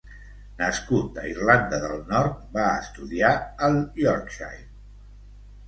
Nascut a Irlanda del Nord, va estudiar al Yorkshire.